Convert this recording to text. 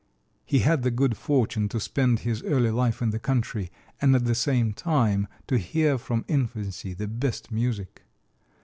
He had the good fortune to spend his early life in the country, and at the same time to hear from infancy the best music.